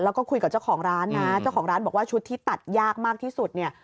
แล้วก็คุยกับเจ้าของร้านนะเจ้าของร้านบอกว่าชุดที่ตัดยากมากที่สุดเนี่ย